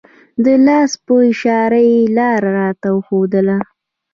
د لاس په اشاره یې لاره راته وښودله.